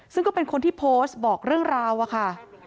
ซึ่งก็เป็นคนที่โพสต์บอกเรื่องราวอะค่ะ